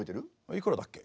いくらだっけ？